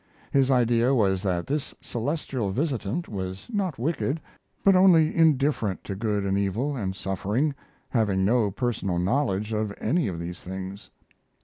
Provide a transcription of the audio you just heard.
His idea was that this celestial visitant was not wicked, but only indifferent to good and evil and suffering, having no personal knowledge of any of these things.